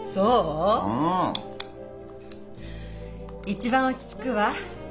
一番落ち着くわ。